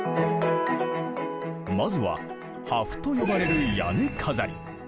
まずは破風と呼ばれる屋根飾り。